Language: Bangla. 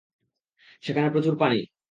সেখানে প্রচুর পানি।